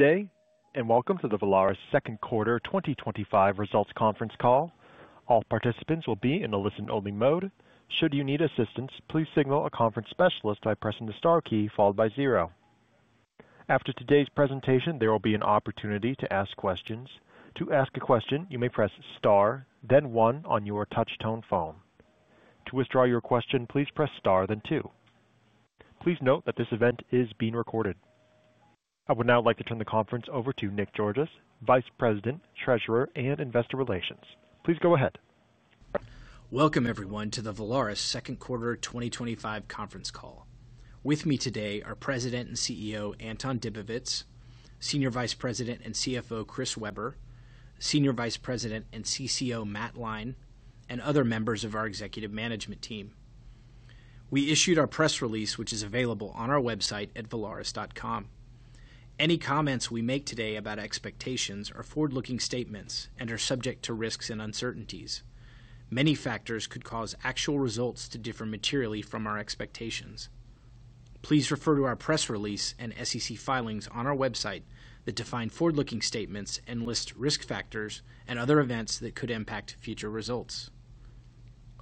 Good day and welcome to the Valaris second quarter 2025 results conference call. All participants will be in a listen-only mode. Should you need assistance, please signal a conference specialist by pressing the star key followed by zero. After today's presentation, there will be an opportunity to ask questions. To ask a question, you may press star then one on your touchtone phone. To withdraw your question, please press star then two. Please note that this event is being recorded. I would now like to turn the conference over to Nick Georgas, Vice President, Treasurer, and Investor Relations. Please go ahead. Welcome everyone to the Valaris second quarter 2025 conference call. With me today are President and CEO. Anton Dibowitz, Senior Vice President and CFO Chris Weber, Senior Vice President and CCO. Matt Lyne and other members of our Executive Management team. We issued our press release, which is available on our website at valaris.com. Any comments, we. Make today about expectations are forward-looking. Statements are subject to risks and uncertainties. Many factors could cause actual results to differ. Differ materially from our expectations. Please refer to our press release. SEC filings on our website define forward-looking statements and list risk factors and other events that could impact future results.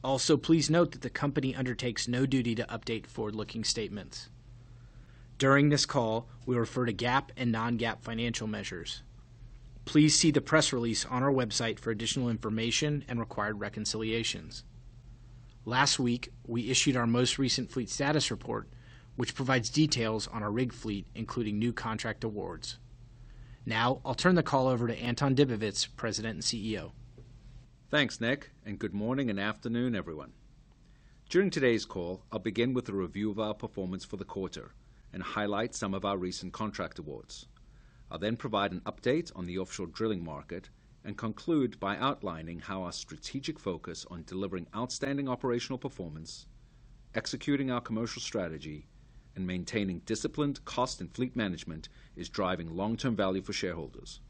Also, please note that the Company undertakes no duty to update forward-looking statements. During this call we refer to GAAP. Non-GAAP financial measures. Please see the press release on our website for additional information and required reconciliations. Last week we issued our most recent Fleet Status Report, which provides details on. Our rig fleet, including new contract awards. Now I'll turn the call over to. Anton Dibowitz, President and CEO. Thanks Nick and good morning and afternoon everyone. During today's call, I'll begin with a review of our performance for the quarter and highlight some of our recent contract awards. I'll then provide an update on the offshore drilling market and conclude by outlining how our strategic focus on delivering outstanding operational performance, executing our commercial strategy, and maintaining disciplined cost and fleet management is driving long term value for shareholders.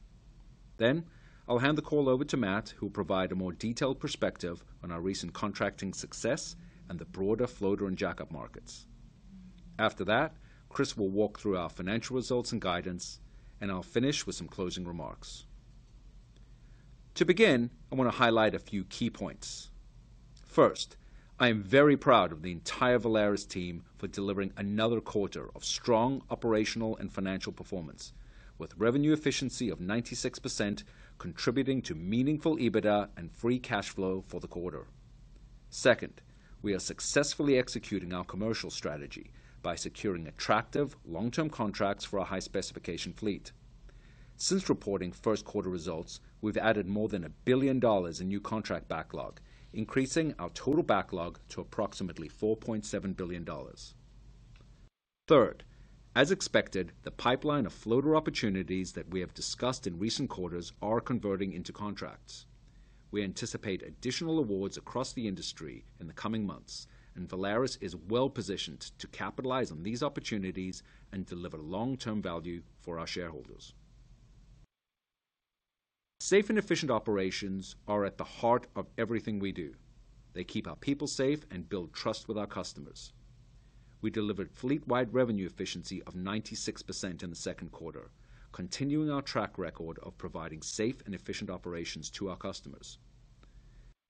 I'll hand the call over to Matt who will provide a more detailed perspective on our recent contracting success and the broader floater and jackup markets. After that, Chris will walk through our financial results and guidance, and I'll finish with some closing remarks. To begin, I want to highlight a few key points. First, I am very proud of the entire Valaris team for delivering another quarter of strong operational and financial performance with revenue efficiency of 96% contributing to meaningful EBITDA and free cash flow for the quarter. Second, we are successfully executing our commercial strategy by securing attractive long term contracts for our high specification fleet. Since reporting first quarter results, we've added more than $1 billion in new contract backlog, increasing our total backlog to approximately $4.7 billion. Third, as expected, the pipeline of floater opportunities that we have discussed in recent quarters are converting into contracts. We anticipate additional awards across the industry in the coming months and Valaris is well positioned to capitalize on these opportunities and deliver long term value for our shareholders. Safe and efficient operations are at the heart of everything we do. They keep our people safe and build trust with our customers. We delivered fleet wide revenue efficiency of 96% in the second quarter, continuing our track record of providing safe and efficient operations to our customers.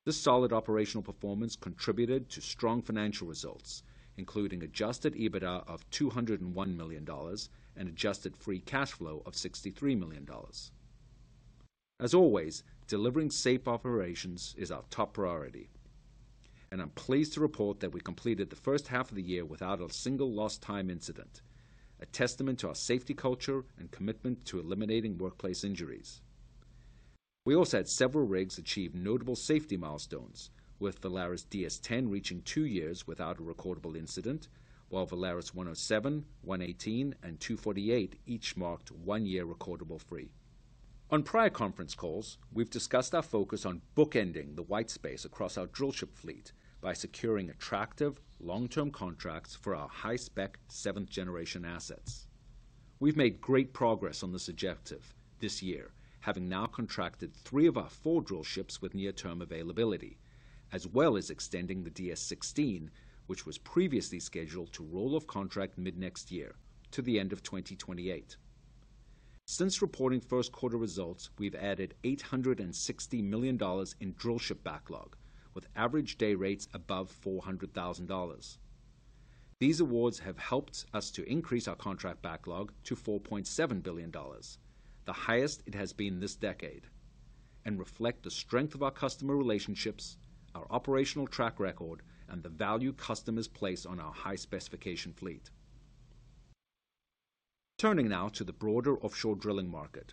This solid operational performance contributed to strong financial results including adjusted EBITDA of $201 million and adjusted free cash flow of $63 million. As always, delivering safe operations is our top priority and I'm pleased to report that we completed the first half of the year without a single lost time incident, a testament to our safety culture and commitment to eliminating workplace injuries. We also had several rigs achieve notable safety milestones with Valaris DS-10 reaching two years without a recordable incident, while Valaris 107, 118, and 248 each marked one year recordable free. On prior conference calls we've discussed our focus on bookending the white space across our drillship fleet by securing attractive long term contracts for our high spec seventh-generation assets. We've made great progress on this objective this year, having now contracted three of our four drillships with near term availability as well as extending the DS16, which was previously scheduled to roll off contract mid next year, to the end of 2028. Since reporting first quarter results, we've added $860 million in drillship backlog with average day rates above $400,000. These awards have helped us to increase our contract backlog to $4.7 billion, the highest it has been this decade, and reflect the strength of our customer relationships, our operational track record, and the value customers place on our high specification fleet. Turning now to the broader offshore drilling market,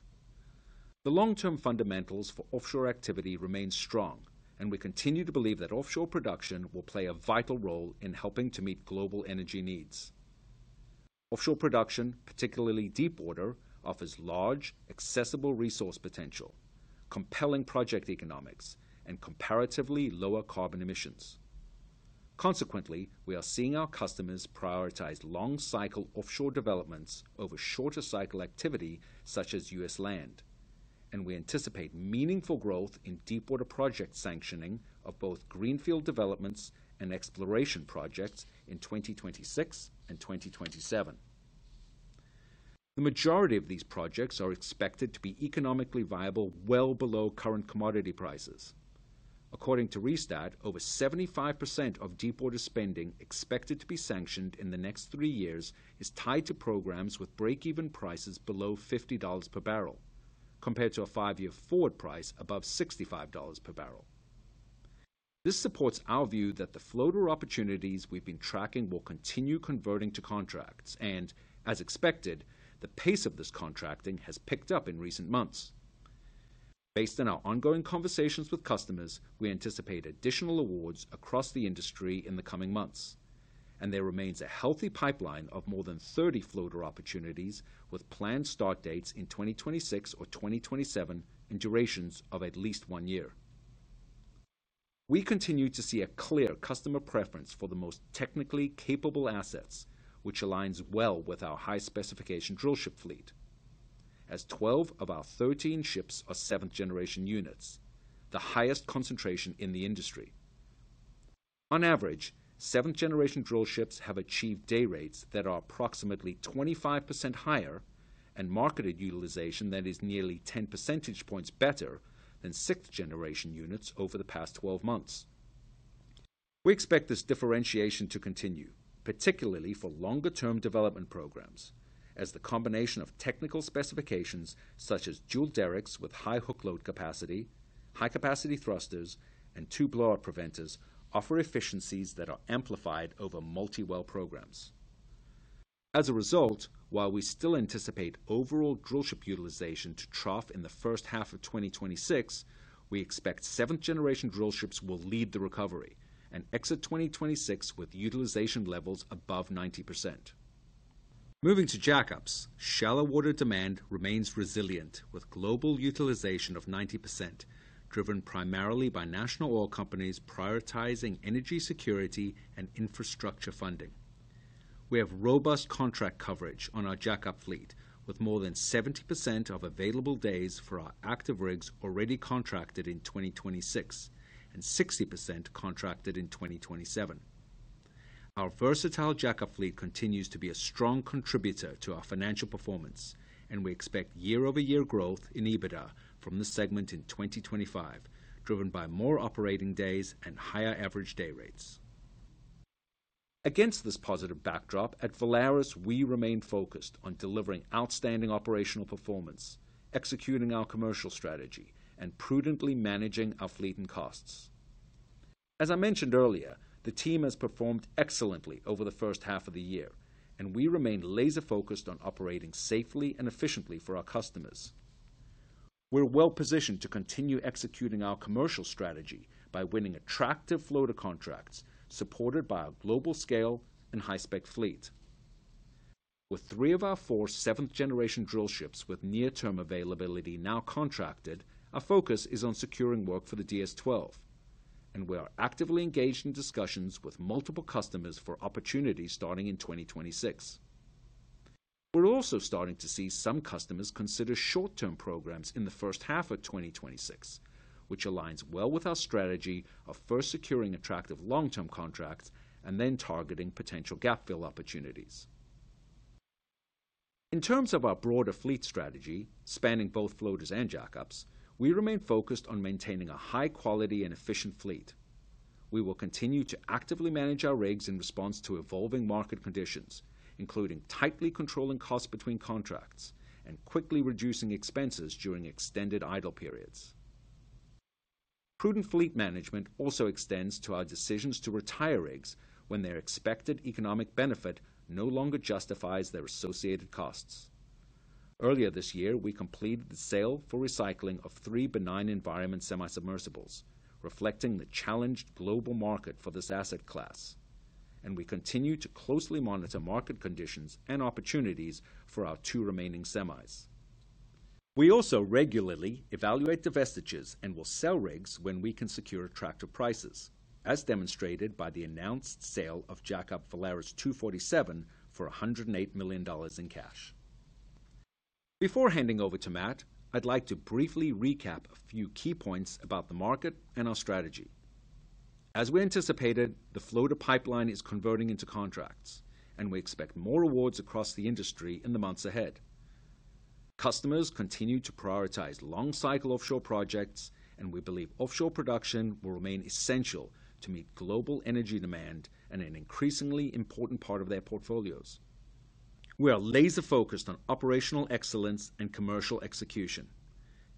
the long term fundamentals for offshore activity remain strong and we continue to believe that offshore production will play a vital role in helping to meet global energy needs. Offshore production, particularly deepwater, offers large accessible resource potential, compelling project economics, and comparatively lower carbon emissions. Consequently, we are seeing our customers prioritize long cycle offshore developments over shorter cycle activity such as U.S. land, and we anticipate meaningful growth in deepwater project sanctioning of both greenfield developments and exploration projects in 2026 and 2027. The majority of these projects are expected to be economically viable well below current commodity prices. According to Rystad, over 75% of deepwater spending expected to be sanctioned in the next three years is tied to programs with breakeven prices below $50 per bbl compared to a five year forward price above $65 per bbl. This supports our view that the floater opportunities we've been tracking will continue converting to contracts, and as expected, the pace of this contracting has picked up in recent months. Based on our ongoing conversations with customers, we anticipate additional awards across the industry in the coming months, and there remains a healthy pipeline of more than 30 floater opportunities with planned start dates in 2026 or 2027 and durations of at least one year. We continue to see a clear customer preference for the most technically capable assets, which aligns well with our high specification drillship fleet, as 12 of our 13 ships are seventh-generation units, the highest concentration in the industry. On average, seventh-generation drillships have achieved day rates that are approximately 25% higher and marketed utilization that is nearly 10% better than sixth-generation units over the past 12 months. We expect this differentiation to continue, particularly for longer-term development programs, as the combination of technical specifications such as dual derricks with high hook load capacity, high capacity thrusters, and two blowout preventers offer efficiencies that are amplified over multi-well programs. As a result, while we still anticipate overall drillship utilization to trough in the first half of 2026, we expect seventh-generation drillships will lead the recovery and exit 2026 with utilization levels above 90%. Moving to jackups, shallow-water demand remains resilient with global utilization of 90% driven primarily by national oil companies prioritizing energy security and infrastructure funding. We have robust contract coverage on our jackup fleet, with more than 70% of available days for our active rigs already contracted in 2026 and 60% contracted in 2027. Our versatile jackup fleet continues to be a strong contributor to our financial performance, and we expect year-over-year growth in EBITDA from the segment in 2025 driven by more operating days and higher average day rates. Against this positive backdrop at Valaris Limited, we remain focused on delivering outstanding operational performance, executing our commercial strategy, and prudently managing our fleet and costs. As I mentioned earlier, the team has performed excellently over the first half of the year, and we remain laser focused on operating safely and efficiently for our customers. We're well positioned to continue executing our commercial strategy by winning attractive floater contracts supported by a global scale and high spec fleet. With three of our four seventh-generation drillships with near-term availability now contracted, our focus is on securing work for the DS12, and we are actively engaged in discussions with multiple customers for opportunities starting in 2026. We're also starting to see some customers consider short term programs in the first half of 2026, which aligns well with our strategy of first securing attractive long term contracts and then targeting potential gap fill opportunities. In terms of our broader fleet strategy spanning both floaters and jackups, we remain focused on maintaining a high quality and efficient fleet. We will continue to actively manage our rigs in response to evolving market conditions, including tightly controlling costs between contracts and quickly reducing expenses during extended idle periods. Prudent fleet management also extends to our decisions to retire rigs when their expected economic benefit no longer justifies their associated costs. Earlier this year, we completed the sale for recycling of three benign environment semisubmersibles, reflecting the challenged global market for this asset class, and we continue to closely monitor market conditions and opportunities for our two remaining semis. We also regularly evaluate divestitures and will sell rigs when we can secure attractive prices, as demonstrated by the announced sale of Valaris 247 for $108 million in cash. Before handing over to Matt, I'd like to briefly recap a few key points about the market and our strategy. As we anticipated, the floater pipeline is converting into contracts, and we expect more awards across the industry in the months ahead. Customers continue to prioritize long cycle offshore projects, and we believe offshore production will remain essential to meet global energy demand and an increasingly important part of their portfolios. We are laser focused on operational excellence and commercial execution.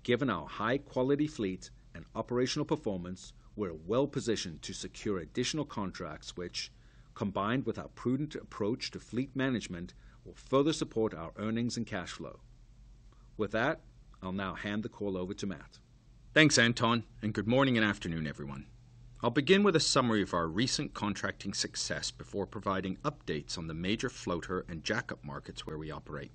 Given our high quality fleet and operational performance, we're well positioned to secure additional contracts, which, combined with our prudent approach to fleet management, will further support our earnings and cash flow. With that, I'll now hand the call over to Matt. Thanks Anton and good morning and afternoon everyone. I'll begin with a summary of our recent contracting success before providing updates on the major floater and jackup markets where we operate.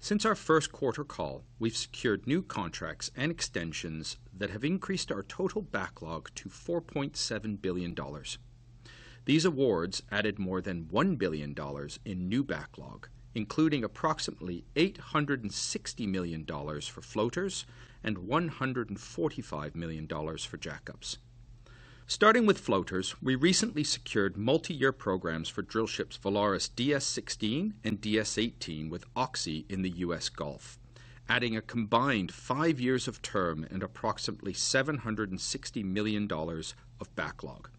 Since our first quarter call, we've secured new contracts and extensions that have increased our total backlog to $4.7 billion. These awards added more than $1 billion in new backlog, including approximately $860 million for floaters and $145 million for jackups. Starting with floaters, we recently secured multi-year programs for drillships, Valaris DS-16 and DS--18 with Oxy in the U.S. Gulf, adding a combined five years of term and approximately $760 million of backlog.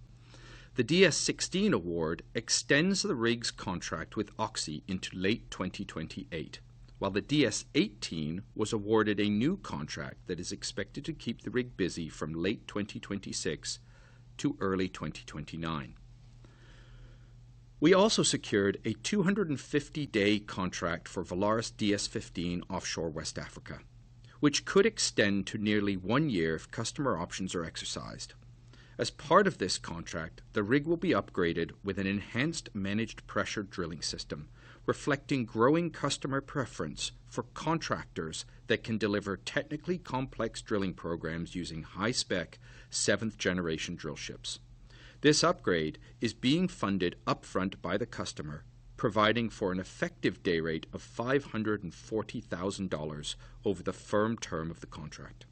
The DS16 award extends the rig's contract with Oxy into late 2028, while the DS18 was awarded a new contract that is expected to keep the rig busy from late 2026 to early 2029. We also secured a 250-day contract for Valaris DS-15 offshore West Africa, which could extend to nearly one year if customer options are exercised. As part of this contract, the rig will be upgraded with an enhanced managed pressure drilling system, reflecting growing customer preference for contractors that can deliver technically complex drilling programs using high-spec seventh-generation drillships. This upgrade is being funded up front by the customer, providing for an effective day rate of $540,000 over the firm term of the contract.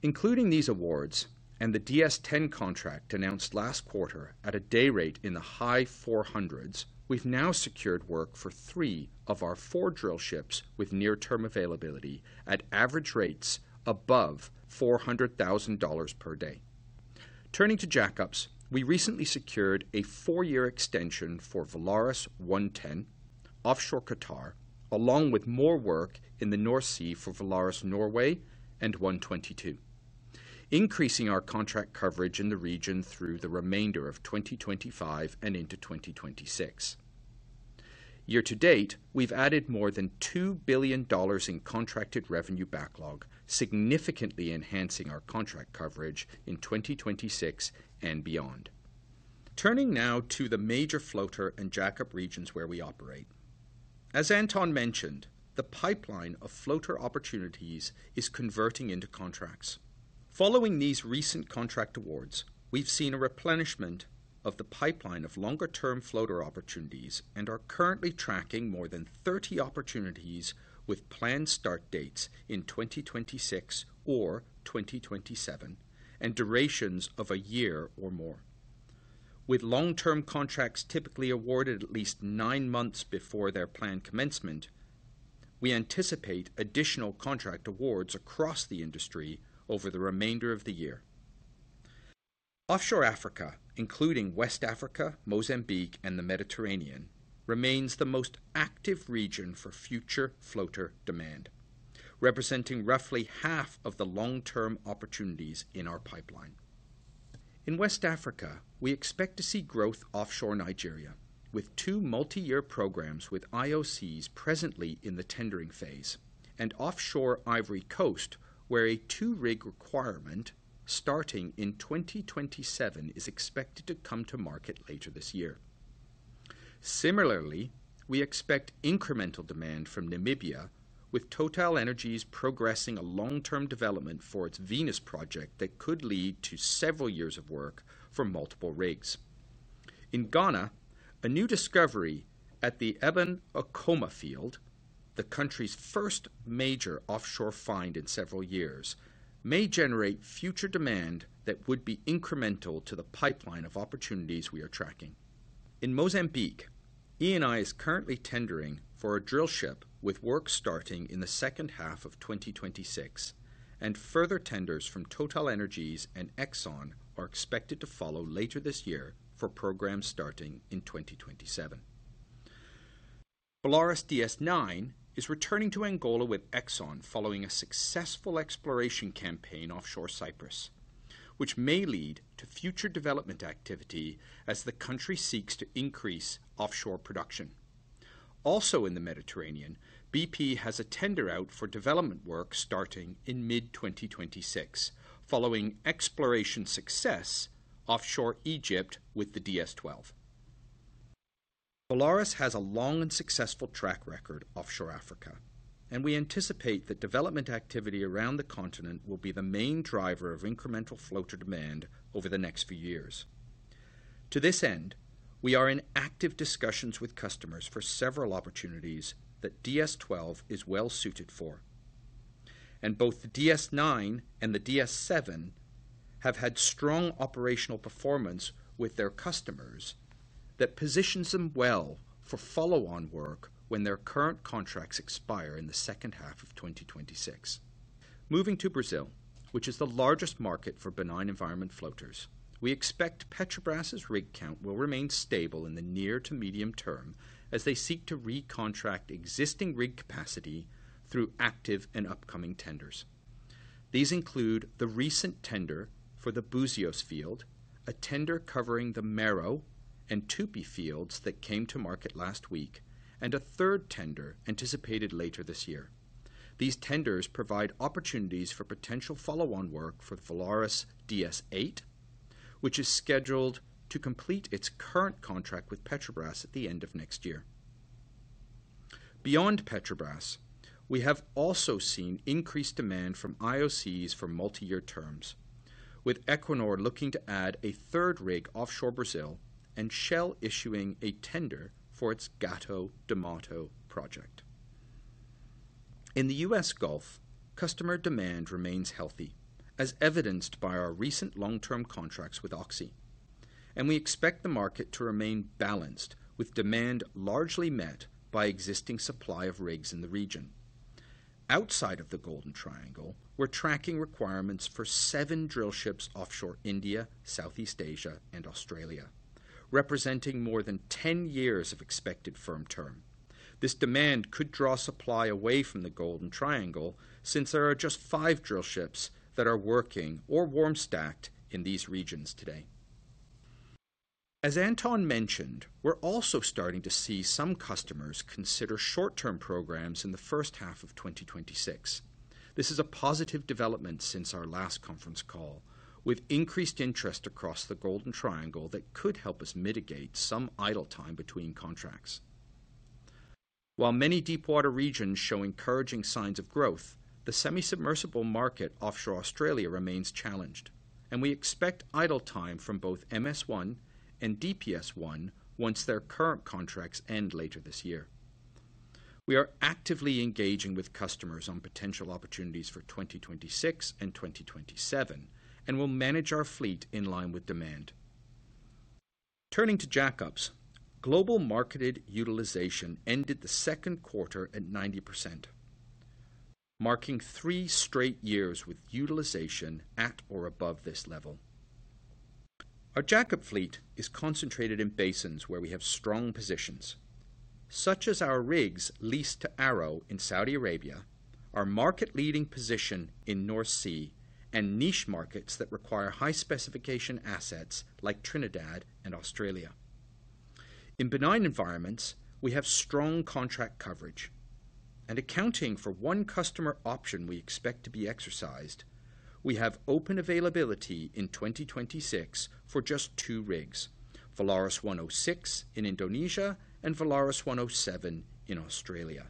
Including these awards and the DS-10 contract announced last quarter at a day rate in the high four hundreds, we've now secured work for three of our four drillships with near-term availability at average rates above $400,000 per day. Turning to jackups, we recently secured a four-year extension for Valaris 110 offshore Qatar along with more work in the North Sea for Valaris Norway and 122, increasing our contract coverage in the region through the remainder of 2025 and into 2026. To date, we've added more than $2 billion in contracted revenue backlog, significantly enhancing our contract coverage in 2026 and beyond. Turning now to the major floater and jackup regions where we operate. As Anton mentioned, the pipeline of floater opportunities is converting into contracts. Following these recent contract awards, we've seen a replenishment of the pipeline of longer term floater opportunities and are currently tracking more than 30 opportunities with planned start dates in 2026 or 2027 and durations of a year or more, with long term contracts typically awarded at least nine months before their planned commencement. We anticipate additional contract awards across the industry over the remainder of the year. Offshore Africa, including West Africa, Mozambique, and the Mediterranean, remains the most active region for future floater demand, representing roughly half of the long term opportunities in our pipeline. In West Africa, we expect to see growth offshore Nigeria with two multi-year programs with IOCs presently in the tendering phase, and offshore Ivory Coast where a two rig requirement starting in 2027 is expected to come to market later this year. Similarly, we expect incremental demand from Namibia with TotalEnergies progressing a long term development for its Venus project that could lead to several years of work for multiple rigs. In Ghana, a new discovery at the Eban/Akoma field, the country's first major offshore find in several years, may generate future demand that would be incremental to the pipeline of opportunities we are tracking. In Mozambique, Eni is currently tendering for a drillship with work starting in the second half of 2026, and further tenders from TotalEnergies and Exxon are expected to follow later this year for programs starting in 2027. Valaris DS-9 is returning to Angola with Exxon following a successful exploration campaign offshore Cyprus, which may lead to future development activity as the country seeks to increase offshore production. Also in the Mediterranean, BP has a tender out for development work starting in mid-2026 following exploration success offshore Egypt with the DS-12. Valaris has a long and successful track record offshore Africa, and we anticipate that development activity around the continent will be the main driver of incremental floater demand over the next few years. To this end, we are in active discussions with customers for several opportunities that DS-12 is well suited for, and both the DS-9 and the DS-7 have had strong operational performance with their customers. That positions them well for follow-on work when their current contracts expire in the second half of 2026. Moving to Brazil, which is the largest market for benign environment floaters, we expect Petrobras rig count will remain stable in the near to medium term as they seek to recontract existing rig capacity through active and upcoming tenders. These include the recent tender for the Búzios field, a tender covering the Marrow and Tupi fields that came to market last week, and a third tender anticipated later this year. These tenders provide opportunities for potential follow-on work for Valaris DS-8, which is scheduled to complete its current contract with Petrobras at the end of next year. Beyond Petrobras, we have also seen increased demand from IOCs for multi-year terms, with Equinor looking to add a third rig offshore Brazil and Shell issuing a tender for its Gato do Mato project. In the U.S. Gulf of Mexico, customer demand remains healthy as evidenced by our recent long-term contracts with Oxy, and we expect the market to remain balanced with demand largely met by existing supply of rigs in the region. Outside of the Golden Triangle, we're tracking requirements for seven drillships offshore India, Southeast Asia, and Australia, representing more than 10 years of expected firm term. This demand could draw supply away from the Golden Triangle since there are just five drillships that are working or warm stacked in these regions today. As Anton mentioned, we're also starting to see some customers consider short-term programs in the first half of 2026. This is a positive development since our last conference call, with increased interest across the Golden Triangle that could help us mitigate some idle time between contracts. While many deepwater regions show encouraging signs of growth, the semisubmersible market offshore Australia remains challenged, and we expect idle time from both MS-1 and DPS-1 once their current contracts end later this year. We are actively engaging with customers on potential opportunities for 2026 and 2027 and will manage our fleet in line with demand. Turning to jackups, global marketed utilization ended the second quarter at 90%, marking three straight years with utilization at or above this level. Our jackup fleet is concentrated in basins where we have strong positions, such as our rigs leased to Aramco in Saudi Arabia, our market-leading position in the North Sea, and niche markets that require high-specification assets like Trinidad and Australia. In benign environments, we have strong contract coverage, and accounting for one customer option we expect to be exercised, we have open availability in 2026 for just two rigs, Valaris 106 in Indonesia and Valaris 107 in Australia.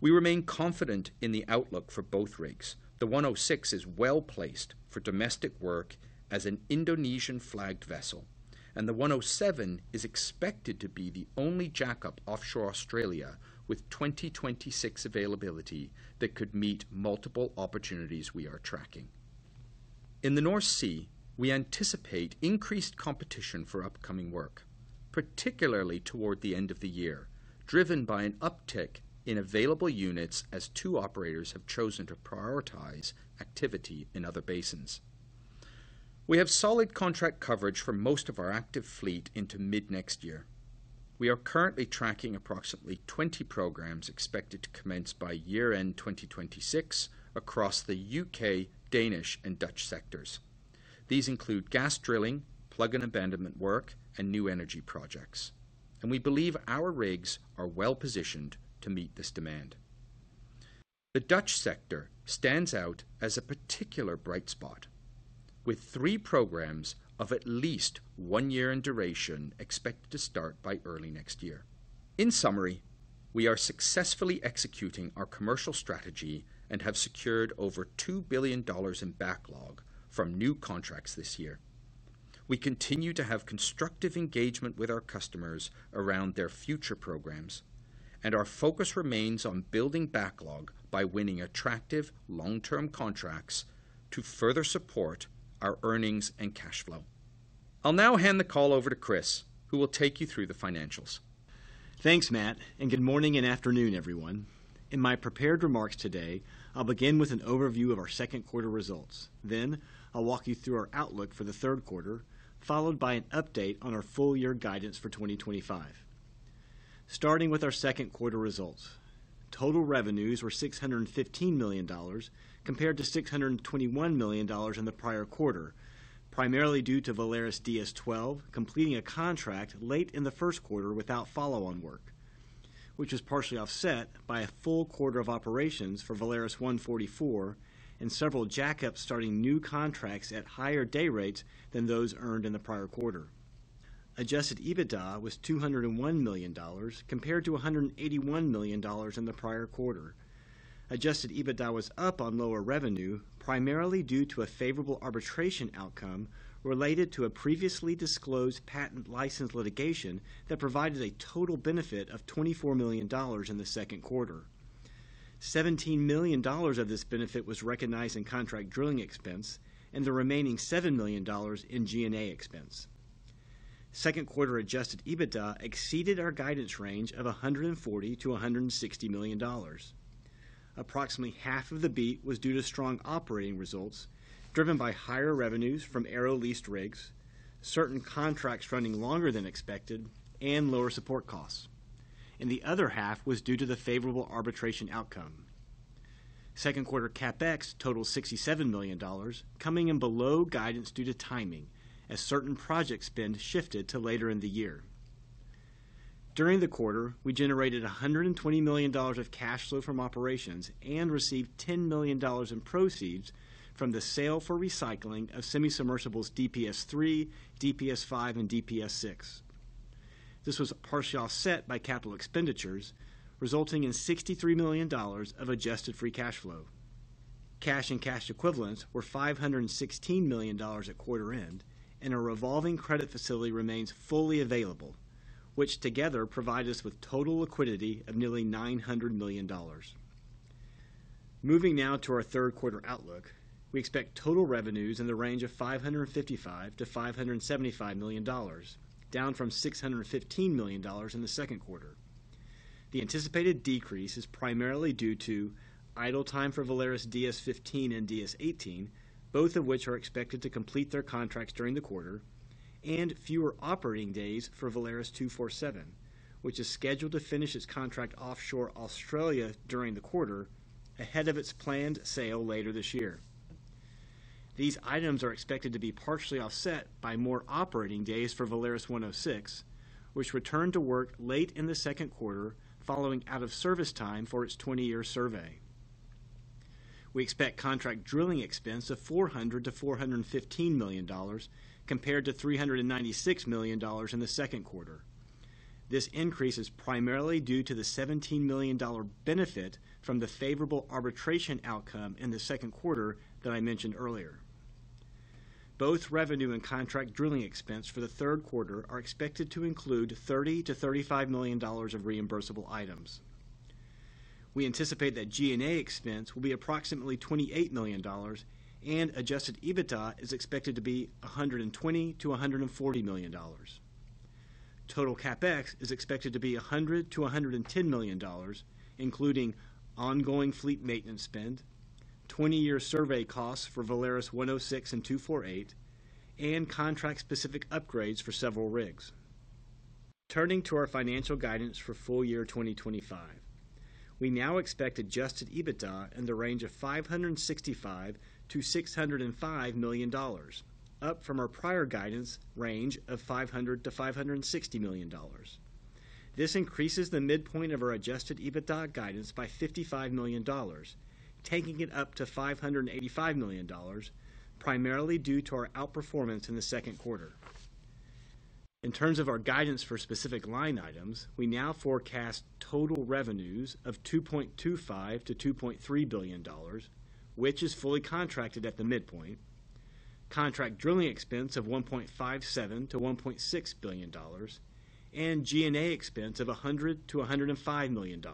We remain confident in the outlook for both rigs. The 106 is well placed for domestic work as an Indonesian-flagged vessel, and the 107 is expected to be the only jackup offshore Australia with 2026 availability that could meet multiple opportunities we are tracking in the North Sea. We anticipate increased competition for upcoming work, particularly toward the end of the year, driven by an uptick in available units as two operators have chosen to prioritize activity in other basins. We have solid contract coverage for most of our active fleet into mid next year. We are currently tracking approximately 20 programs expected to commence by year end 2026 across the U.K., Danish, and Dutch sectors. These include gas drilling, plug and abandonment work, and new energy projects, and we believe our rigs are well positioned to meet this demand. The Dutch sector stands out as a particular bright spot, with three programs of at least one year in duration expected to start by early next year. In summary, we are successfully executing our commercial strategy and have secured over $2 billion in backlog from new contracts this year. We continue to have constructive engagement with our customers around their future programs, and our focus remains on building backlog by winning attractive long-term contracts to further support our earnings and cash flow. I'll now hand the call over to Chris, who will take you through the financials. Thanks Matt and good morning and afternoon everyone. In my prepared remarks today I'll begin with an overview of our second quarter results, then I'll walk you through our outlook for the third quarter followed by an update on our full year guidance for 2025. Starting with our second quarter results, total revenues were $615 million compared to $621 million in the prior quarter, primarily due to Valaris DS-12 completing a contract late in the first quarter without follow-on work, which was partially offset by a full quarter of operations for Valaris 144 and several jackups starting new contracts at higher day rates than those earned in the prior quarter. Adjusted EBITDA was $201 million compared to $181 million in the prior quarter. Adjusted EBITDA was up on lower revenue primarily due to a favorable arbitration outcome related to a previously disclosed patent line license litigation that provided a total benefit of $24 million in the second quarter. $17 million of this benefit was recognized in contract drilling expense and the remaining $7 million in G&A expense. Second quarter adjusted EBITDA exceeded our guidance range of $140 million-$160 million. Approximately half of the beat was due to strong operating results driven by higher revenues from arrow leased rigs, certain contracts running longer than expected, and lower support costs, and the other half was due to the favorable arbitration outcome. Second quarter CapEx totaled $67 million, coming in below guidance due to timing as certain project spend shifted to later in the year. During the quarter we generated $120 million of cash flow from operations and received $10 million in proceeds from the sale for recycling of semisubmersibles DPS-3, DPS-5, and DPS-6. This was partially offset by capital expenditures resulting in $63 million of adjusted free cash flow. Cash and cash equivalents were $516 million at quarter end and a revolving credit facility remains fully available, which together provides us with total liquidity of nearly $900 million. Moving now to our third quarter outlook, we expect total revenues in the range of $555 million-$575 million, down from $615 million in the second quarter. The anticipated decrease is primarily due to idle time for Valaris DS-15 and DS-18, both of which are expected to complete their contracts during the quarter, and fewer operating days for Valaris 247, which is scheduled to finish its contract offshore Australia during the quarter ahead of its planned sale later this year. These items are expected to be partially offset by more operating days for Valaris 106, which returned to work late in the second quarter following out of service time for its 20-year survey. We expect contract drilling expense of $400 million-$415 million compared to $396 million in the second quarter. This increase is primarily due to the $17 million benefit from the favorable arbitration outcome in the second quarter that I mentioned earlier. Both revenue and contract drilling expense for the third quarter are expected to include $30 million-$35 million of reimbursable items. We anticipate that G&A expense will be approximately $28 million and adjusted EBITDA is expected to be $120 million-$140 million. Total CapEx is expected to be $100 million-$110 million including ongoing fleet maintenance spend, 20-year survey costs for Valaris 106 and 248, and contract specific upgrades for several rigs. Turning to our financial guidance for full year 2025, we now expect adjusted EBITDA in the range of $565 million-$605 million, up from our prior guidance range of $500 million-$560 million. This increases the midpoint of our adjusted EBITDA guidance by $55 million, taking it up to $585 million primarily due to our outperformance in the second quarter. In terms of our guidance for specific line items, we now forecast total revenues of $2.25 billion-$2.3 billion, which is fully contracted at the midpoint, contract drilling expense of $1.57 billion-$1.6 billion, and G&A expense of $100 million-$105 million.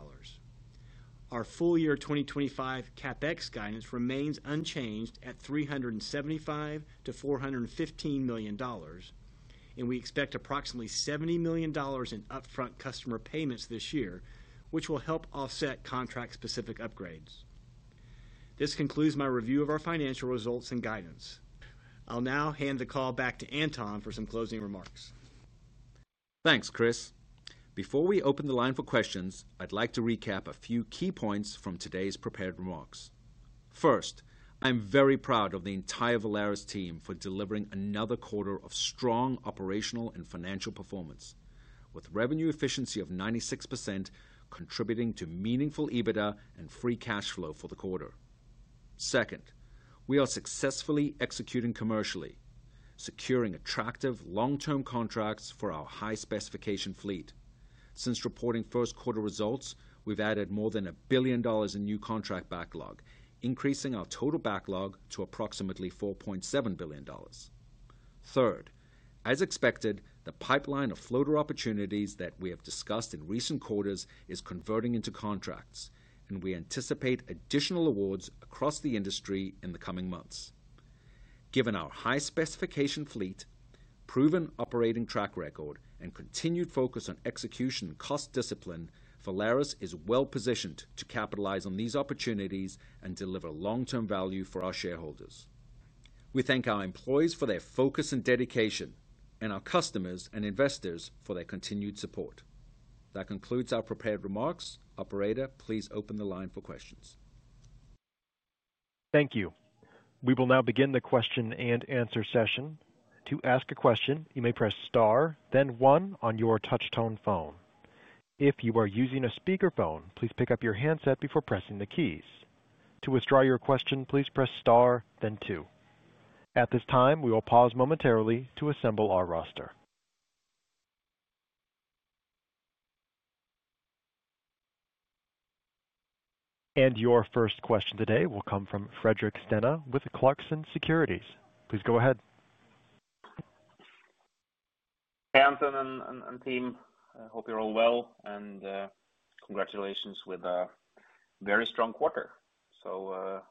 Our full year 2025 CapEx guidance remains unchanged at $375 million-$415 million, and we expect approximately $70 million in upfront customer payments this year, which will help offset contract specific upgrades. This concludes my review of our financial results and guidance. I'll now hand the call back to Anton for some closing remarks. Thanks, Chris. Before we open the line for questions, I'd like to recap a few key points from today's prepared remarks. First, I'm very proud of the entire Valaris team for delivering another quarter of strong operational and financial performance with revenue efficiency of 96% contributing to meaningful EBITDA and free cash flow for the quarter. Second, we are successfully executing commercially, securing attractive long-term contracts for our high-specification fleet. Since reporting first quarter results, we've added more than $1 billion in new contract backlog, increasing our total backlog to approximately $4.7 billion. Third, as expected, the pipeline of floater opportunities that we have discussed in recent quarters is converting into contracts, and we anticipate additional awards across the industry in the coming months. Given our high-specification fleet, proven operating track record, and continued focus on execution and cost discipline, Valaris is well positioned to capitalize on these opportunities and deliver long-term value for our shareholders. We thank our employees for their focus and dedication and our customers and investors for their continued support. That concludes our prepared remarks. Operator, please open the line for questions. Thank you. We will now begin the question-and-answer session. To ask a question, you may press star then one on your touchtone phone. If you are using a speakerphone, please pick up your handset before pressing the keys. To withdraw your question, please press star then two. At this time, we will pause momentarily to assemble our roster and your first question today will come from Fredrik Stene with Clarksons Securities. Please go ahead. Anton and team, hope you're all well and congratulations with a very strong quarter.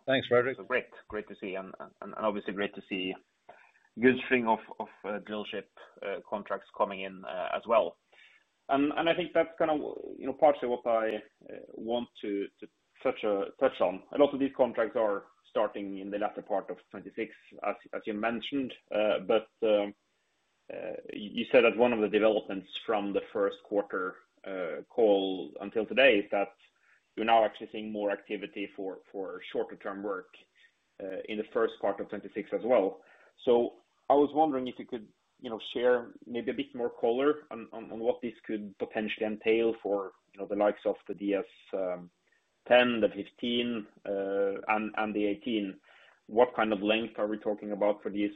Thanks, Fredrik. Great to see, and obviously great to see good string of drillship contracts coming in as well. I think that's kind of partially what I want to touch on. A lot of these contracts are starting in the latter part of 2026 as you mentioned, but you said that one of the developments from the first quarter call until today is that you're now actually seeing more activity for shorter term work in the first part of 2026 as well. I was wondering if you could share maybe a bit more color on what this could potentially entail for the likes of the DS-15, the DS-18, and the DS-10. What kind of length are we talking about for these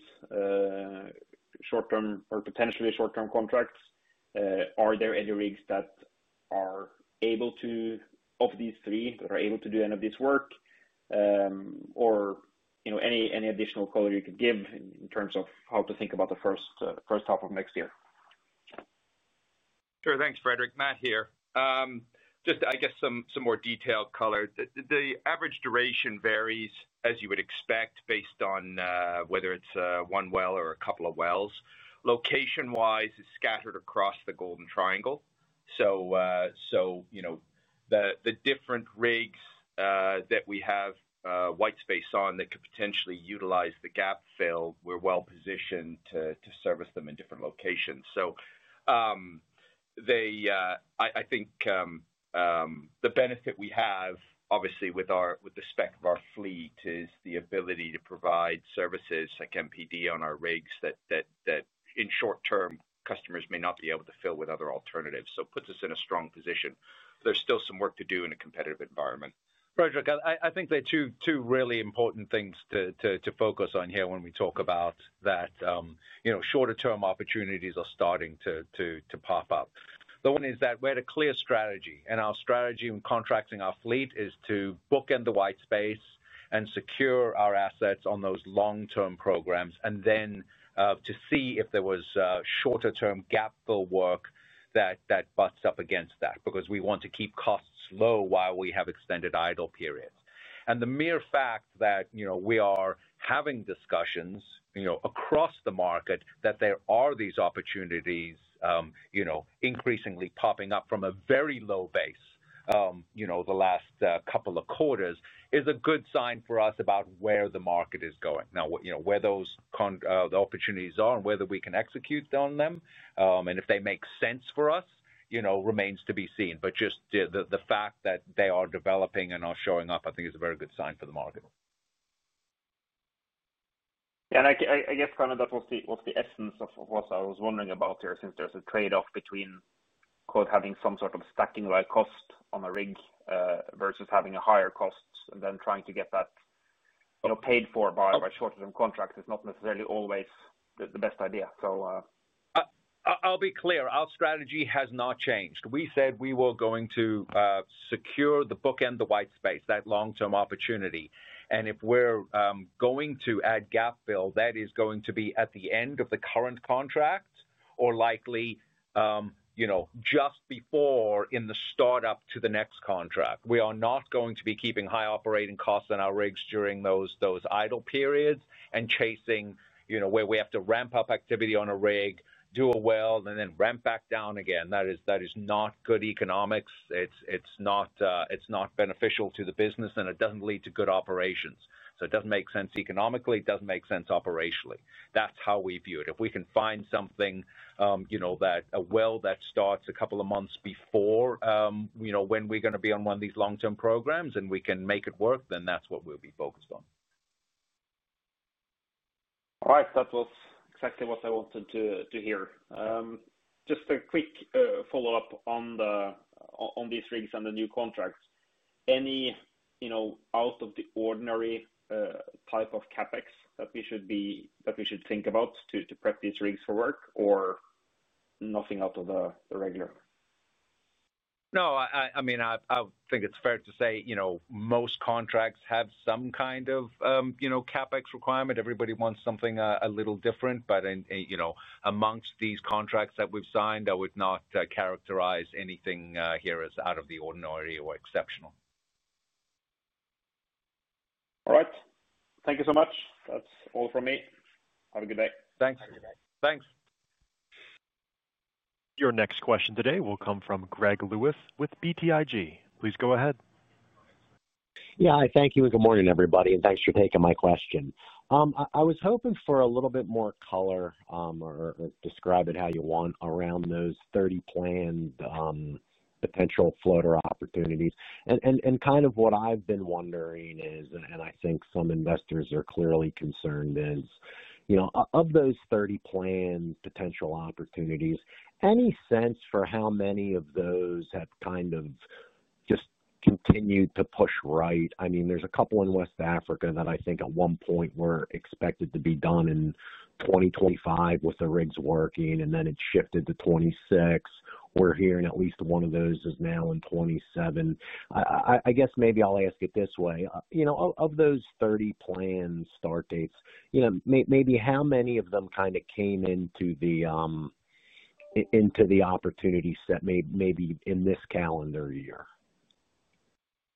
short term or potentially short term contracts? Are there any rigs that are able to, of these three, that are able to do any of this work or any additional color you could give in terms of how to think about the first half of next year? Sure. Thanks, Fredrik. Matt here. I guess some more detailed color. The average duration varies as you would, whether it's one well or a couple of wells. Location wise, it's scattered across the golden triangle. The different rigs that we have white space on that could potentially utilize the gap fill, we're well positioned to service them in different locations. I think the benefit we have obviously with respect of our fleet is the ability to provide services like MPD on our rigs that in short term customers may not be able to fill with other alternatives. It puts us in a strong position. There's still some work to do in a competitive environment. Frederick, I think there are two really important things to focus on here when we talk about that shorter term opportunities are starting to pop up. The one is that we had a clear strategy, and our strategy when contracting our fleet is to bookend the white space and secure our assets on those long-term programs, and then to see if there was shorter-term gap fill work that butts up against that because we want to keep costs low while we have extended idle periods. The mere fact that we are having discussions across the market, that there are these opportunities increasingly popping up from a very low base the last couple of quarters, is a good sign for us about where the market is going now, where the opportunities are, and whether we can execute them and if they make sense for us remains to be seen. Just the fact that they are developing and are showing up, I think, is a very good sign for the market. I guess that was the essence of what I was wondering about here. Since there's a trade-off between having some sort of stacking cost on a rig versus having a higher cost and then trying to get that paid for by shorter-term contracts, it is not necessarily always the best idea. I'll be clear. Our strategy has not changed. We said we were going to secure the book and the white space, that long-term opportunity. If we're going to add gap fill, that is going to be at the end of the current contract or likely just before in the startup to the next contract. We are not going to be keeping high operating costs on our rigs during those idle periods and chasing, you know, where we have to ramp up activity on a rig, do a well, and then ramp back down again. That is not good economics, it's not beneficial to the business, and it doesn't lead to good operations. It doesn't make sense economically, doesn't make sense operationally. That's how we view it. If we can find something, you know, a well that starts a couple of months before, you know, when we're going to be on one of these long-term programs and we can make it work, then that's what we'll be focused on. All right. That was exactly what I wanted to hear. Just a quick follow-up on these rigs and the new contracts. Any out of the ordinary type of CapEx that we should think about to prep these rigs for work, or nothing out of the regular? No, I mean, I think it's fair to say, you know, most contracts have some kind of CapEx requirement, everybody wants something a little different. But, you know, amongst these contracts that we've signed, I would not characterize anything here as out of the ordinary or exceptional. All right, thank you so much. That's all from me. Have a good day. Thanks. Thanks. Your next question today will come from Greg Lewis with BTIG. Please go ahead. Yeah, thank you. And good morning, everybody, and thanks for taking my question. I was hoping for a little bit more color or describe it how you want around those 30 planned potential floater opportunities. What I've been wondering is, and I think some investors are clearly concerned, is, you know, of those 30 planned potential opportunities, any sense for how many of those have kind of just continued to push? Right. I mean, there's a couple in West Africa that I think at one point were expected to be done in 2025 with the rigs working, and then it shifted to 2026. We're hearing at least one of those is now in 2027. I guess maybe I'll ask it this way, you know, of those 30 plan start dates, you know, maybe how many of them kind of came into the opportunity set maybe in this calendar year?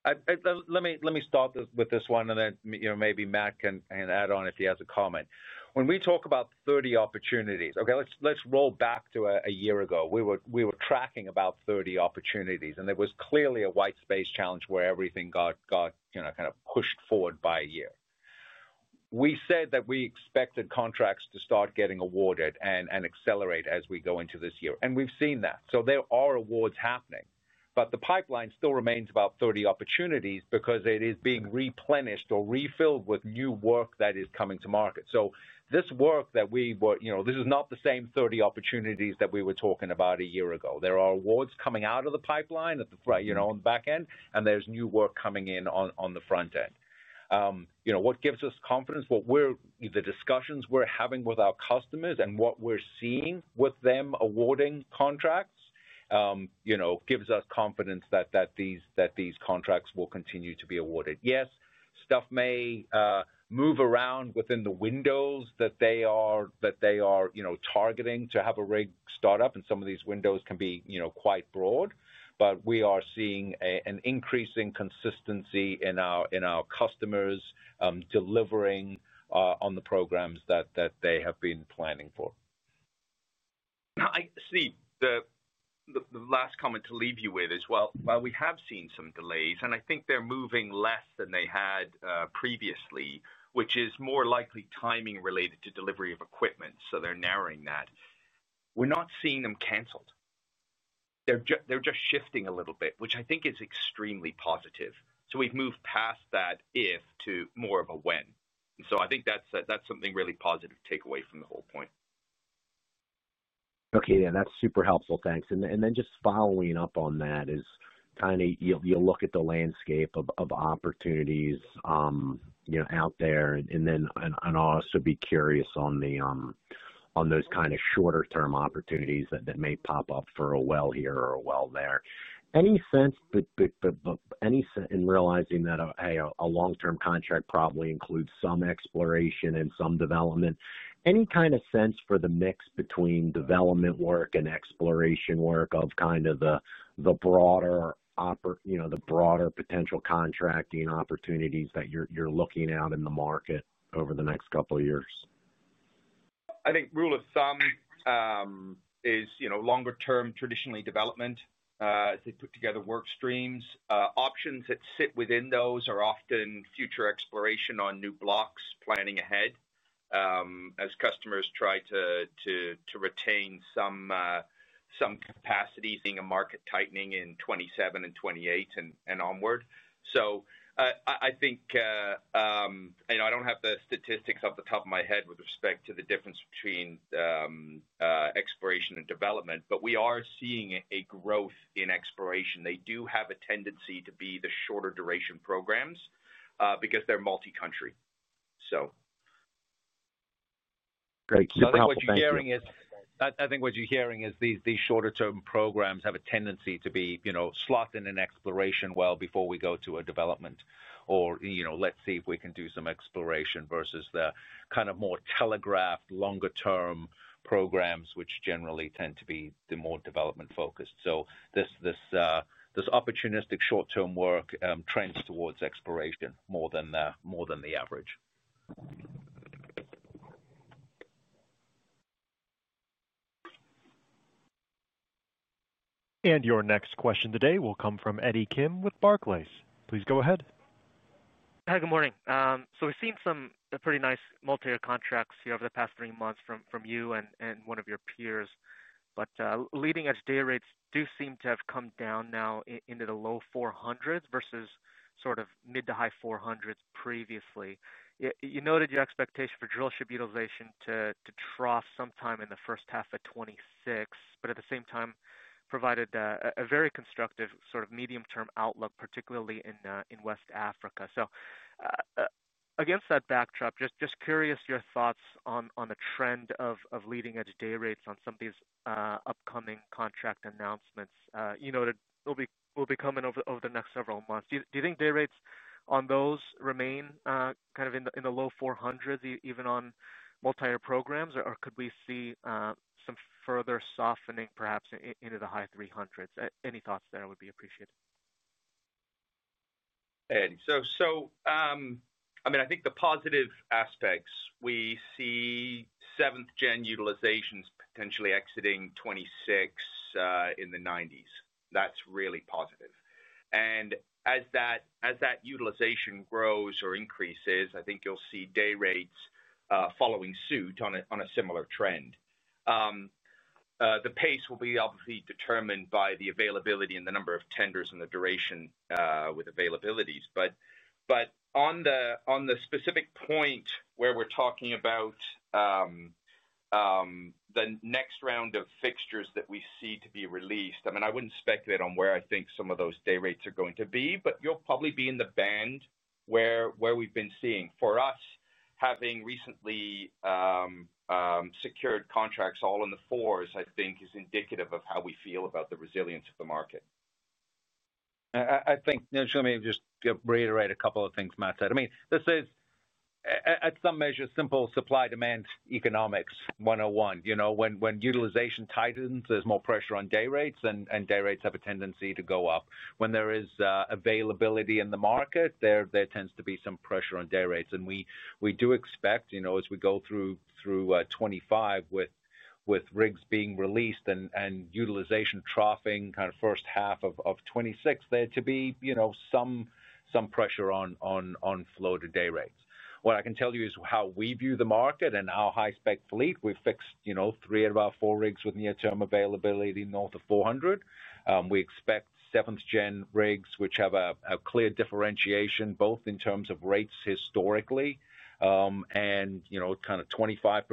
Let me start with this one, and then maybe Matt can add on if he has a comment when we talk about 30 opportunities. Let's roll back to a year ago. We were tracking about 30 opportunities, and there was clearly a white space challenge where everything got kind of pushed forward by a year. We said that we expected contracts to start getting awarded and accelerate as we go into this year. There are awards happening, but the pipeline still remains about 30 opportunities because it is being replenished or refilled with new work that is coming to market. This work that we were, you know, this is not the same 30 opportunities that we were talking about a year ago. There are awards coming out of the pipeline on the back end, and there's new work coming in on the front end. What gives us confidence, what we're, the discussions we're having with our customers and what we're seeing with them awarding contracts, gives us confidence that these contracts will continue to be awarded. Yes, stuff may move around within the windows that they are targeting to have a rig startup, and some of these windows can be quite broad, but we are seeing an increasing consistency in our customers delivering on the programs that they have been planning for. Steve, the last comment to leave you with is, we have seen some delays, and I think they're moving less than they had previously, which is more likely timing related to delivery of equipment. They're narrowing that, we're not seeing them canceled, they're just shifting a little bit, which I think is extremely positive. We've moved past that if to more of a when. I think that's something really positive to take away from the whole point. Okay, that's super helpful, thanks. Just following up on that, as you look at the landscape of opportunities out there, I'd also be curious on those kind of shorter term opportunities that may pop up for a well here or a well there. Any sense in realizing that a long term contract probably includes some exploration and some development? Any kind of sense for the mix between development work and exploration work of the broader, you know, the broader potential contracting opportunities that you're looking at in the market over the next couple years? I think rule of thumb is, you know, longer term traditionally development as they put together work streams, options that sit within those are often future exploration on new blocks, planning ahead as customers try to retain some capacity, seeing a market tightening in 2027 and 2028 and onward. I don't have the statistics off the top of my head with respect to the difference between exploration and development, but we are seeing a growth in exploration. They do have a tendency to be the shorter duration programs because they're multi country. What you're hearing is these shorter term programs have a tendency to be slot in an exploration well before we go to a development or let's see if we can do some exploration versus the kind of more telegraphed longer term programs which generally tend to be the more development focused. This opportunistic short term work trends towards exploration more than the average. Your next question today will come from Eddie Kim with Barclays. Please go ahead. Hi, good morning. We've seen some pretty nice multiyear contracts here over the past three months from you and one of your peers. Leading edge day rates do seem to have come down now into the low $400,000s versus sort of mid to high $400,000s. Previously you noted your expectation for drillship utilization to trough sometime in 1H 2026, but at the same time provided a very constructive sort of medium term outlook, particularly in West Africa. Against that backdrop, just curious your thoughts on the trend of leading edge day rates on some of these upcoming contract announcements that will be coming over the next several months. Do you think day rates on those remain kind of in the low $400,000s even on multi-year programs or could we see some further softening perhaps into the high $300,000s? Any thoughts there would be appreciated, Eddie. I think the positive aspects we see, seventh-generation utilizations potentially exiting 2026 in the 90%. That's really positive. As that utilization grows or increases, I think you'll see day rates following suit on a similar trend. The pace will obviously be determined by the availability and the number of tenders and the duration with availabilities. On the specific point where we're talking about the next round of fixtures that we see to be released, I wouldn't speculate on where I think some of those day rates are going to be, but you'll probably be in the band where we've been seeing. For us, having recently secured contracts all in the $400,000s I think is indicative of how we feel about the resilience of the market. I think just to reiterate a couple of things Matt said, this is at some measure simple supply, demand economics 101. You know, when utilization tightens there's more pressure on day rates and day rates have a tendency to go up. When there is availability in the market, there tends to be some pressure on day rates and we do expect, as we go through 2025 with rigs being released and utilization troughing kind of first half of 2026, there to be some pressure on floater day rates. What I can tell you is how we view the market and our high-spec fleet. We fixed three of our four rigs with near-term availability north of $400,000. We expect seventh-generation rigs, which have a clear differentiation both in terms of rates historically and kind of 25%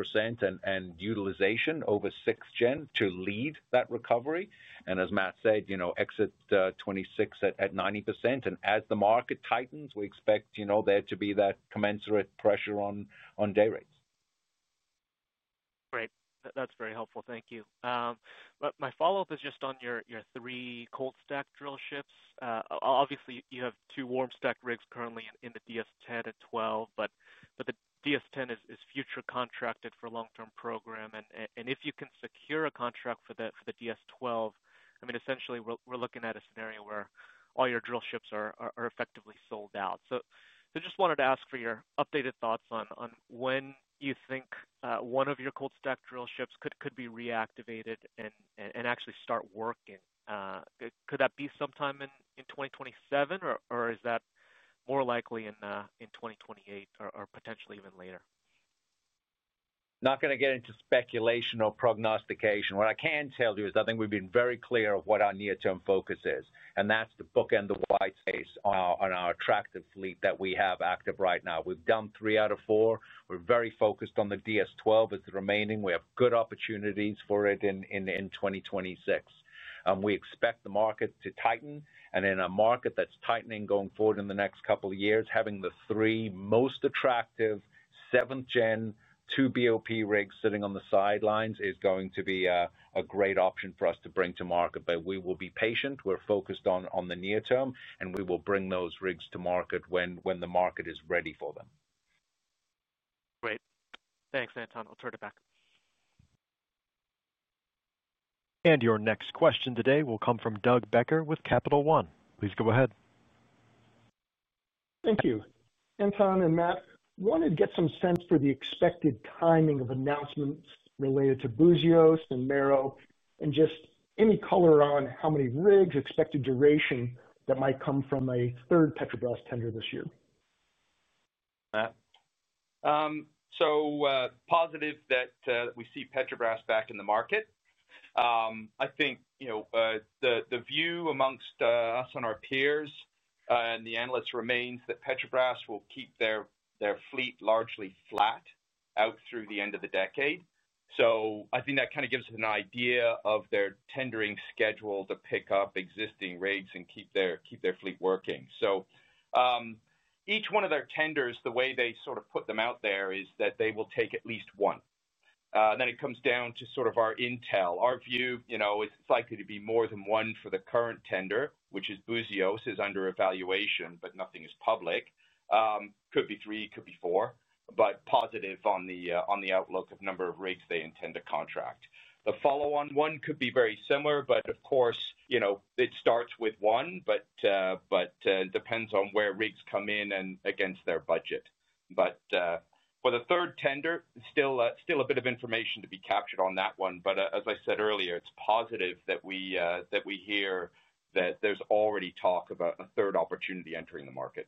and utilization over sixth-generation, to lead that recovery and, as Matt said, exit 2026 at 90%. As the market tightens, we expect there to be that commensurate pressure on day rates. Great, that's very helpful, thank you. My follow up is just on your three cold stack drillships. Obviously you have two warm stacked rigs currently in the DS-10 and DS-12, but the DS-10 is future contracted for a long-term program, and if you can secure a contract for the DS-12, I mean essentially we're looking at a scenario where all your drillships are effectively sold out. Just wanted to ask for your updated thoughts on when you think one of your cold stack drillships could be reactivated and actually start working. Could that be sometime in 2027, or is that more likely in 2028 or potentially even later? Not going to get into speculation or prognostication. What I can tell you is I think we've been very clear of what our near term is, and that's the bookend. The white space on our attractive fleet that we have active right now. We've done three out of four. We're very focused on the DS-12 as the remaining. We have good opportunities for it in 2026. We expect the market to tighten, and in a market that's tightening going forward in the next couple of years, having the three most attractive seventh-generation two BOP rigs sitting on the sidelines is going to be a great option for us to bring to market. We will be patient. We're focused on the near term, and we will bring those rigs to market when the market is ready for them. Great. Thanks, Anton. I'll turn it back. Your next question today will come from Doug Becker with Capital One. Please go ahead. Thank you. Anton and Matt, wanted to get some sense for the expected timing of announcements related to Búzios and Marrow and just any color on how many rigs, expected duration that might come from a third Petrobras tender this year. Positive that we see Petrobras back in the market. I think the view amongst us and our peers and the analysts remains that Petrobras will keep their fleet largely flat out through the end of the decade. I think that kind of gives us an idea of their tendering schedule to pick up existing rates and keep their fleet working. Each one of their tenders, the way they sort of put them out there, is that they will take at least one. Then it comes down to our intel, our view, it's likely to be more than one. For the current tender, which is Buzios, it is under evaluation, but nothing is public. Could be three, could be four. Positive on the outlook of number of rigs they intend to contract. The follow-on one could be very similar, but of course, it starts with one but depends on where rigs come in and against their budget. For the third tender, still a bit of information to be captured on that one. As I said earlier, it's positive that we hear that there's already talk of a third opportunity entering the market.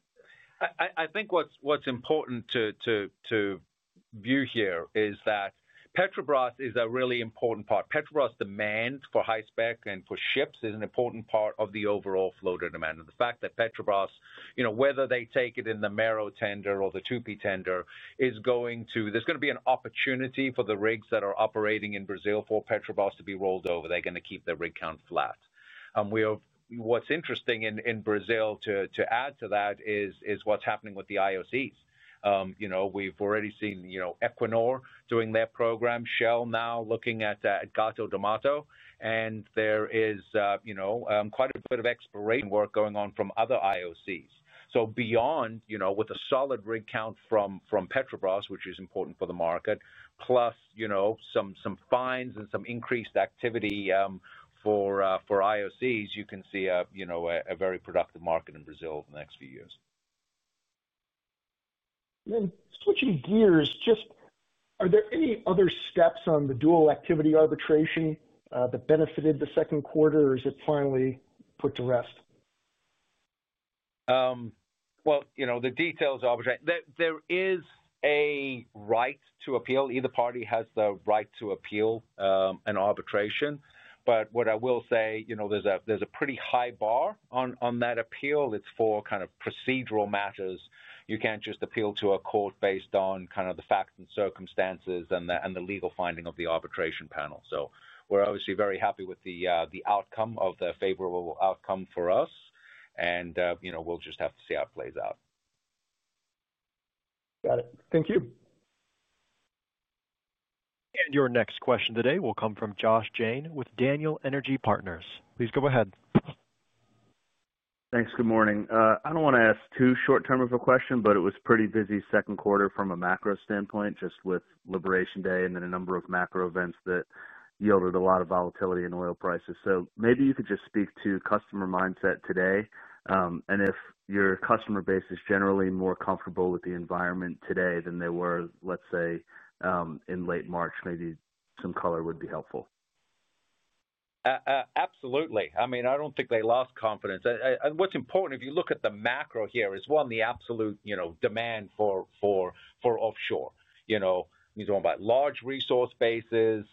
I think what's important to view here is that Petrobras is a really important part. Petrobras demand for high spec and for ships is an important part of the overall floater demand. The fact that Petrobras, whether they take it in the Marrow tender or the Tupi tender, is going to be an opportunity for the rigs that are operating in Brazil for Petrobras to be rolled over. They're going to keep their rig count flat. What's interesting in Brazil to add to that is what's happening with the IOCs. We've already seen Equinor doing their program, Shell now looking at Gato do Mato, and there is quite a bit of exploration work going on from other IOCs. Beyond a solid rig count from Petrobras, which is important for the market, plus some finds and some increased activity for IOCs, you can see a very productive market in Brazil over the next few years. Switching gears. Are there any other steps on the dual activity arbitration that benefited the second quarter or is it finally put to rest? You know the details. There is a right to appeal. Either party has the right to appeal an arbitration. What I will say, there's a pretty high bar on that appeal. It's for procedural matters. You can't just appeal to a court based on the facts and circumstances and the legal finding of the arbitration panel. We're obviously very happy with the outcome, the favorable outcome for us, and we'll just have to see how it plays out. Got it. Thank you. Your next question today will come from Josh Jayne with Daniel Energy Partners. Please go ahead. Thanks. Good morning. I don't want to ask too short term of a question, but it was a pretty busy second quarter from a macro standpoint, just with Liberation Day and then a number of macro events that yielded a lot of volatility in oil prices. Maybe you could just speak to customer mindset today. If your customer base is generally more comfortable with the environment today than they were, let's say, in late March, maybe some color would be helpful. Absolutely. I don't think they lost confidence. What's important if you look at the macro here is one, the absolute demand for offshore. You talk about large resource bases,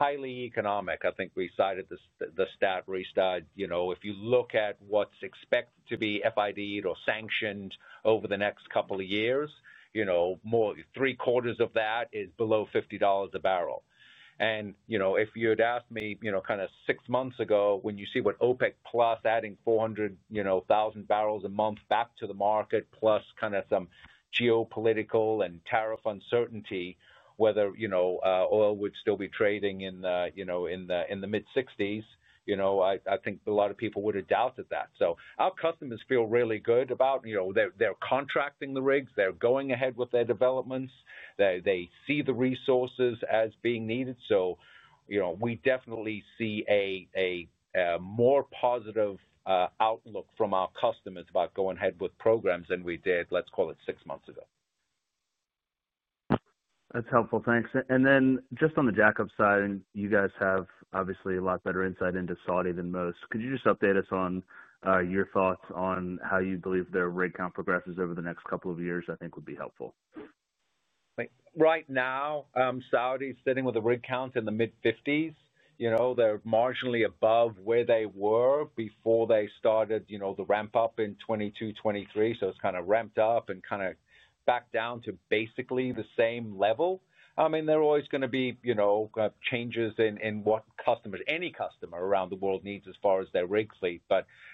highly economic. I think we cited the stat restart. If you look at what's expected to be FID or sanctioned over the next couple of years, 75% of that is below $50 a bbl. If you had asked me six months ago, when you see OPEC adding 400,000 bbl a month back to the market, plus some geopolitical and tariff uncertainty, whether oil would still be trading in the mid-$60s, I think a lot of people would have doubted that. Our customers feel really good about contracting the rigs, they're going ahead with their developments. They see the resources as being needed. We definitely see a more positive outlook from our customers about going ahead with programs than we did, let's call it six months ago. That's helpful, thanks. Just on the jackup side, you guys have obviously a lot better insight into Saudi than most. Could you just update us on your thoughts on how you believe their rig count progresses over the next couple of years? I think that would be helpful. Right now, Saudi is sitting with the rig count in the mid-50s. You know, they're marginally above where they were before they started the ramp up in 2022, 2023. It's kind of ramped up and kind of back down to basically the same level. There are always going to be changes in what customers, any customer around the world, needs as far as their rig fleet.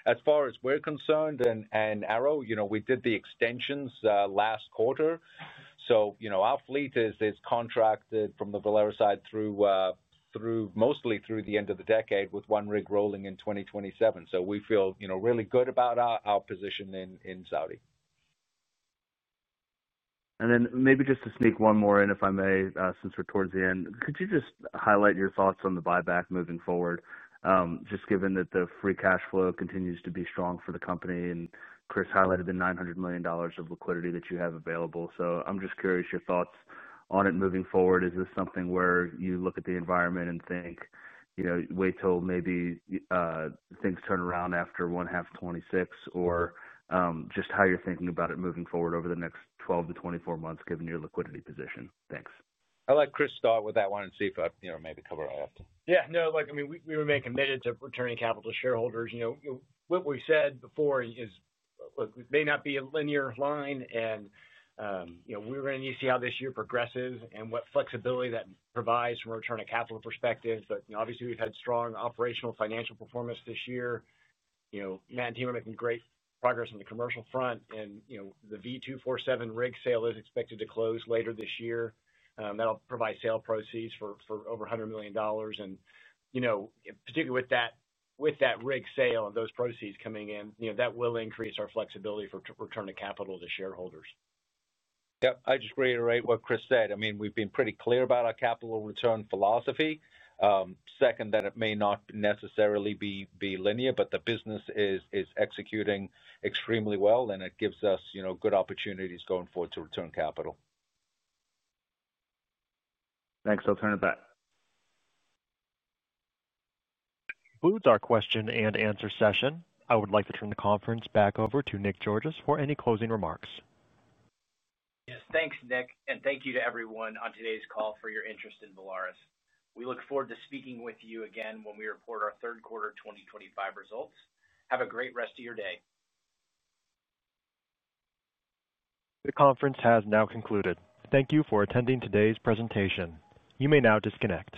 As far as we're concerned, we did the extensions last quarter, so our fleet is contracted from the Valaris side mostly through the end of the decade with one rig rolling in 2027. We feel really good about our position in Saudi. Maybe just to sneak one more in, if I may, since we're towards the end, could you just highlight your thoughts on the buyback moving forward, just given that the free cash flow continues to be strong for the company and Chris highlighted the $900 million of liquidity that you have available. I'm just curious your thoughts on it moving forward. Is this something where you look at the environment and think, wait till maybe things turn around after 1H 2026, or just how you're thinking about it moving forward over the next 12 to 24 months, given your liquidity position. Thanks. I'll let Chris start with that one and see if I maybe cover. I have to. Yeah, no, I mean, we remain committed to returning capital to shareholders. What we said before is it may not be a linear line and we're going to see how this year progresses and what flexibility that provides from a return of capital perspective. Obviously, we've had strong operational financial performance this year. Matt and team are making great progress on the commercial front. The Valaris 247 rig sale is expected to close later this year. That'll provide sale proceeds for over $100 million. Particularly with that rig sale and those proceeds coming in, that will increase our flexibility for return of capital to shareholders. Yeah. I just reiterate what Chris said. We've been pretty clear about our capital return philosophy. Second, that it may not necessarily be linear, but the business is executing extremely well and it gives us good opportunities going forward to return capital. Thanks. I'll turn it back. That concludes our question and answer session. I would like to turn the conference back over to Nick Georgas for any closing remarks. Yes. Thanks, [Dick]. And thank you to everyone on today's call for your interest in Valaris. We look forward to speaking with you again when we report our third quarter 2025 results. Have a great rest of your day. The conference has now concluded. Thank you for attending today's presentation. You may now disconnect.